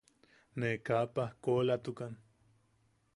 Ne kaa pajkoʼolatukan.